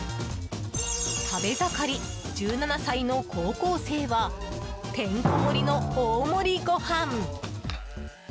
食べ盛り、１７歳の高校生はてんこ盛りの大盛りご飯！